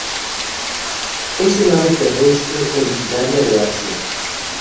Es un ave terrestre, originaria de Asia.